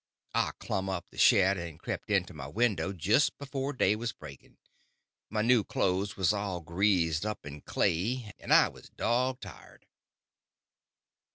I clumb up the shed and crept into my window just before day was breaking. My new clothes was all greased up and clayey, and I was dog tired.